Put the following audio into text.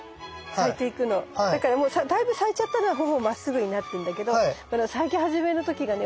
だからもうだいぶ咲いちゃったのはほぼまっすぐになってんだけどこの咲き始めの時がね